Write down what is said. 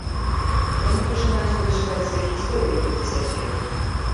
Яны пачынаюць пражываць свае гісторыі тут і цяпер.